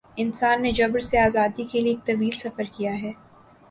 انسان نے جبر سے آزادی کے لیے ایک طویل سفر کیا ہے۔